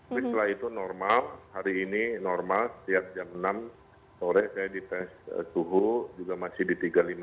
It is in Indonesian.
tapi setelah itu normal hari ini normal setiap jam enam sore saya di tes suhu juga masih di tiga ribu lima ratus tiga puluh enam